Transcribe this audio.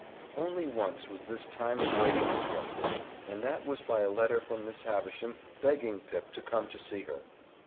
Only once was this time of waiting interrupted, and that was by a letter from Miss Havisham begging Pip to come to see her.